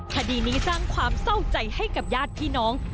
คดีนี้สร้างความเศร้าใจให้กับญาติพี่น้อง